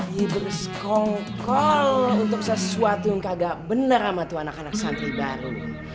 lagi bersekongkol untuk sesuatu yang kagak bener sama tuh anak anak santri baru